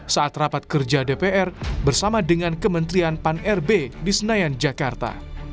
saat rapat kerja dpr bersama dengan kementerian pan rb di senayan jakarta